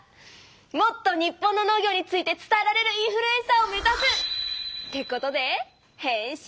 もっと日本の農業について伝えられるインフルエンサーを目ざす！ってことで変身！